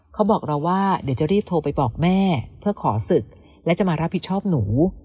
เขาบอกเราว่าเดี๋ยวจะรีบโทรไปบอกแม่เพื่อขอศึกและจะมารับผิดชอบหนู